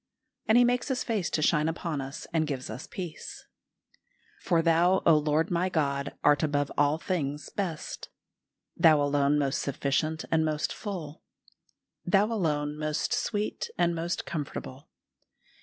And He makes His face to shine upon us and gives us peace. "For Thou, O Lord my God, art above all things best; ... Thou alone most sufficient and most full; Thou alone most sweet and most comfortable.